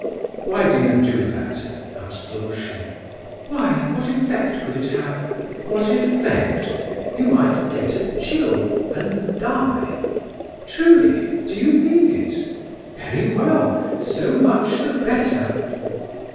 "Why do you do that?" asked Lushin. "Why, what effect could it have?" "What effect? You might get a chill and die." "Truly? Do you mean it? Very well—so much the better."